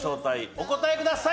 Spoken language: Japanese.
お答えください！